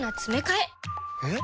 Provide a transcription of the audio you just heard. えっ？